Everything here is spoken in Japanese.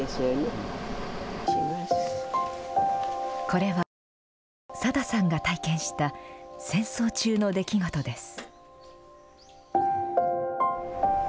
これは、サダさんが体験した戦争中の出来事です。